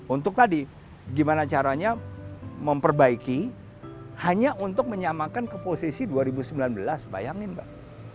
untuk tadi gimana caranya memperbaiki hanya untuk menyamakan ke posisi dua ribu sembilan belas bayangin mbak